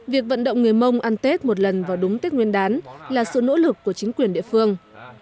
việc vận động người mông ăn tết một lần vào đúng tết nguyên đán là sự nỗ lực của chính quyền địa phương